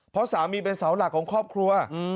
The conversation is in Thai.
เพราะสามีเป็นเสาหลักของครอบครัว